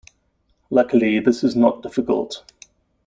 Luckily, this is not difficult.